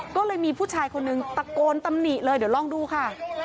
ก็เลยมีผู้ชายคนนึงตะโกนตำหนิเลยเดี๋ยวลองดูค่ะ